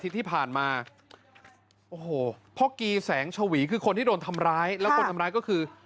คือคนที่โดนทำร้ายแล้วคนทำร้ายก็คือคือคนโดนทำร้ายแล้วคนทำร้ายก็คือ